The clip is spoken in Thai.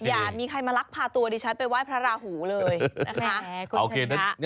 อย่ามีใครมาลักษณ์ภาตัวดิฉันไปว่ายพระหูเลย